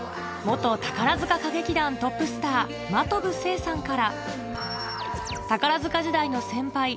宝塚歌劇団トップスター真飛聖さんから宝塚時代の先輩